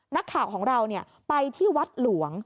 นักข่าวของเราไปที่วัดหลวง